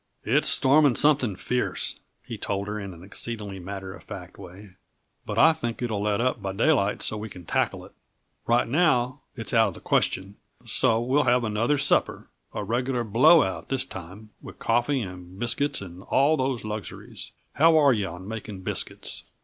"It's storming something fierce," he told her in an exceedingly matter of fact way, "but I think it'll let up by daylight so we can tackle it. Right now it's out of the question; so we'll have another supper a regular blowout this time, with coffee and biscuits and all those luxuries. How are yuh on making biscuits?"